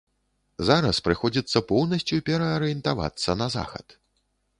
Зараз прыходзіцца поўнасцю пераарыентавацца на захад.